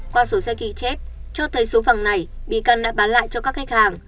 qua số xe ghi chép cho thấy số vàng này bị căn đã bán lại cho các khách hàng